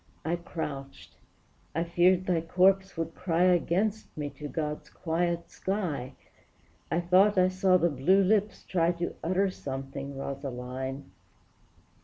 I crouched; I feared thy corpse would cry Against me to God's quiet sky, I thought I saw the blue lips try To utter something, Rosaline!